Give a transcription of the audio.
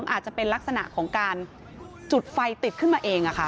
อาจจะเป็นลักษณะของการจุดไฟติดขึ้นมาเอง